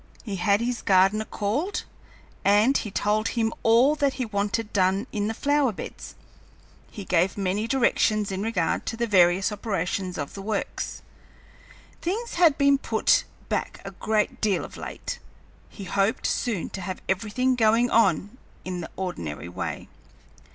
He had his gardener called, and he told him all that he wanted done in the flower beds. He gave many directions in regard to the various operations of the Works. Things had been put back a great deal of late. He hoped soon to have everything going on in the ordinary way.